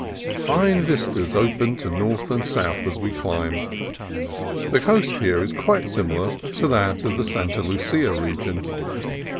Fine vistas opened to north and south as we climbed. The coast here is quite similar to that of 260 CALIFORNIA COAST TRAILS the Santa Lucia region.